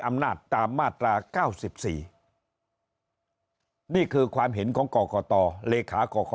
อำนาจตามมาตรา๙๔นี่คือความเห็นของกรกตเลขาก่อคอ